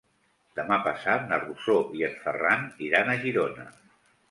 Demà passat na Rosó i en Ferran iran a Girona.